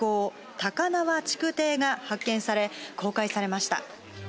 高輪築堤が発見され公開されました。